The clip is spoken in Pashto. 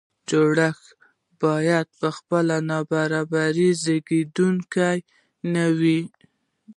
جوړښت باید په خپله د نابرابرۍ زیږوونکی نه وي.